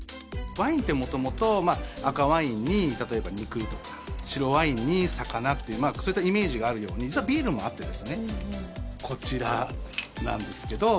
ワインって元々赤ワインに例えば肉とか白ワインに魚というそういったイメージがあるように実はビールにもあってこちらなんですけど。